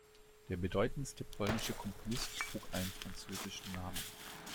Der bedeutendste polnische Komponist trug einen französischen Namen.